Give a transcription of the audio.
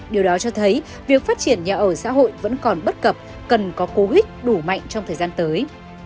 điều đó cho thấy việc phát triển nhà ở xã hội vẫn còn bất cập cần có cố huyết đủ mạnh trong thời gian tới